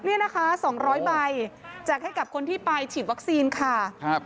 เนี่ยนะคะ๒๐๐ใบแจกให้กับคนที่ไปฉีดวัคซีนค่ะครับ